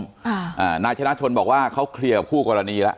อ่านายชนะชนบอกว่าเขาเคลียร์กับผู้กวอร์ณีละ